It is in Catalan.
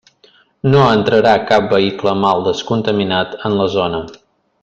No entrarà cap vehicle mal descontaminat en la zona.